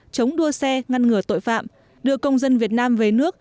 chống đua xe ngăn ngừa tội phạm đưa công dân việt nam về nước